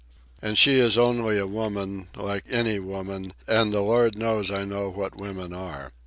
And she is only a woman, like any woman, and the Lord knows I know what women are.